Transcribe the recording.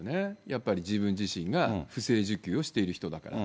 やっぱり自分自身が不正受給をしている人だから。